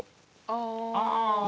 ああ。